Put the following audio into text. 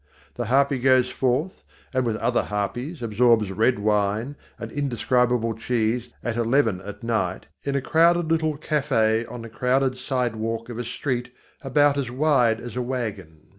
The harpy goes forth, and with other harpies absorbs red wine and indescribable cheese at eleven at night in a crowded little café on the crowded sidewalk of a street about as wide as a wagon.